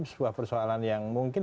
sebuah persoalan yang mungkin